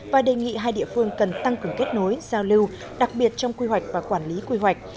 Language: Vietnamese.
và đề nghị hai địa phương cần tăng cường kết nối giao lưu đặc biệt trong quy hoạch và quản lý quy hoạch